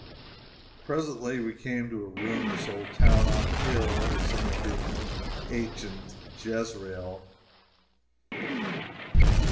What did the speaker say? Presently we came to a ruinous old town on a hill, the same being the ancient Jezreel.